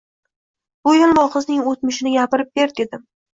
Bu yalmog`izning o`tmishini gapirib ber, dedim